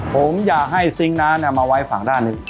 ผมอย่าให้ซิงค์น้ำมาไว้ฝั่งด้านนี้